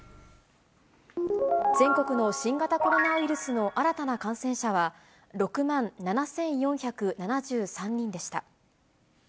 全国の新型コロナウイルスの新たな感染者は、６万７４７３人でした。